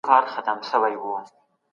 نبي عليه السلام په قول ولاړ و.